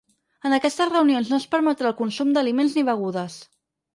En aquestes reunions no es permetrà el consum d’aliments ni begudes.